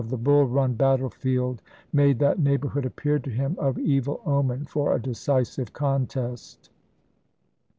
the Bull Run battlefield made that neighborhood "o'eMys appear to him of evil omen for a decisive contest.